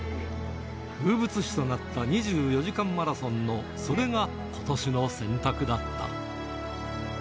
風物詩となった２４時間マラソンのそれがことしの選択だった。